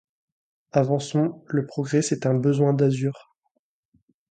Avançons. Le progrès, c'est un besoin d'azur.